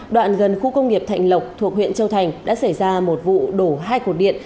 đoạn gần khu công nghiệp thạnh lộc thuộc huyện châu thành đã xảy ra một vụ đổ hai cột điện